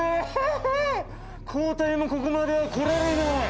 抗体もここまでは来られない。